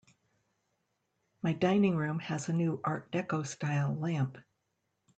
My dining room has a new art deco style lamp.